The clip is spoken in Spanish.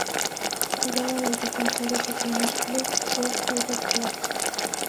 Jugaba de defensor y su primer club fue River Plate.